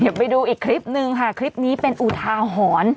เดี๋ยวไปดูอีกคลิปนึงค่ะคลิปนี้เป็นอุทาหรณ์